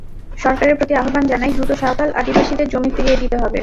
সরকারের প্রতি আহ্বান জানাই, দ্রুত সাঁওতাল আদিবাসীদের জমি ফিরিয়ে দিতে হবে।